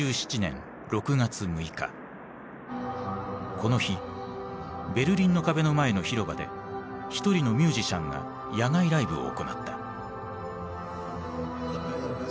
この日ベルリンの壁の前の広場で一人のミュージシャンが野外ライブを行った。